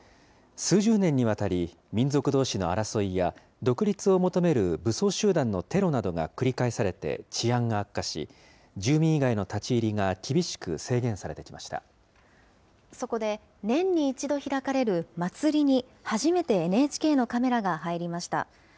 数十年にわたり、民族どうしの争いや独立を求める武装集団のテロなどが繰り返されて、治安が悪化し、住民以外の立ち入りが厳しくそこで年に１度開かれる祭りに初めてＮＨＫのカメラが入りました。